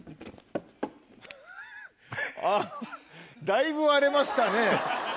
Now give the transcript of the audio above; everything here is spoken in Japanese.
あっだいぶ割れましたね。